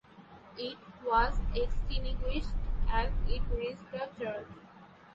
It was extinguished as it reached the church.